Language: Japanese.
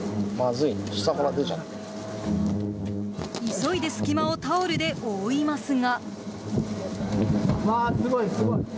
急いで隙間をタオルで覆いますが。